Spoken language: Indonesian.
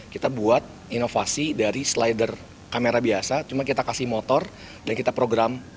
kita buat inovasi dari slider kamera biasa cuma kita kasih motor dan kita program